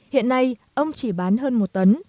hiện nay ông chỉ bán hơn một tấn